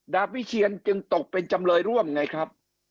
วิเชียนจึงตกเป็นจำเลยร่วมไงครับ